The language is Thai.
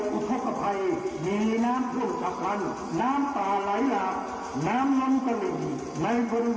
ซึ่งปพออกประกาศเตือนด่วนนะครับระดับน้ำในแม่น้ำน่านจะสูงขึ้นครับ